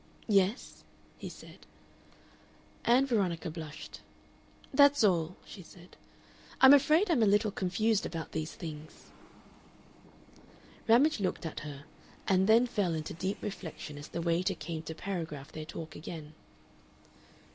"Yes?" he said. Ann Veronica blushed. "That's all," she said "I'm afraid I'm a little confused about these things." Ramage looked at her, and then fell into deep reflection as the waiter came to paragraph their talk again.